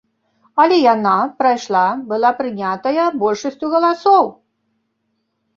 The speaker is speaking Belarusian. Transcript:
Але яна прайшла, была прынятая большасцю галасоў!